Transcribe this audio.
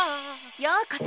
ようこそ。